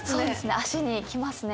足に来ますね。